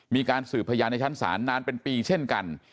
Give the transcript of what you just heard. มีการสืบพยานในชั้นศาลนานเป็นปีเช่นกัน